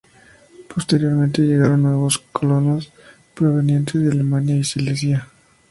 Posteriormente, llegaron nuevos colonos provenientes de Alemania y Silesia.